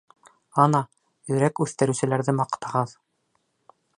Ана, өйрәк үҫтереүселәрҙе маҡтағыҙ.